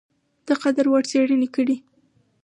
د قدر وړ څېړني کړي دي ۔